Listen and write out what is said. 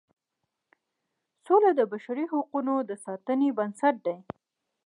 سوله د بشري حقوقو د ساتنې بنسټ دی.